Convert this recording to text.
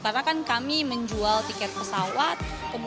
karena kan kami menjual tiket pesawat